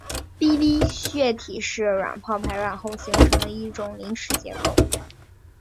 血体是卵泡排卵后形成的一种临时结构。